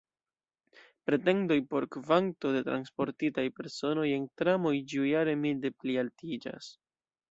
Pretendoj por kvanto de transportitaj personoj en tramoj ĉiujare milde plialtiĝas.